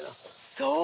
そう！